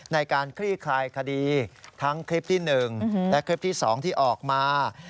คลี่คลายคดีทั้งคลิปที่๑และคลิปที่๒ที่ออกมา